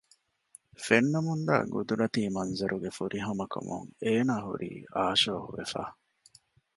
ފެންނަމުންދާ ޤުދުރަތީ މަންޒަރުގެ ފުރިހަމަކަމުން އޭނާ ހުރީ އާޝޯހުވެފަ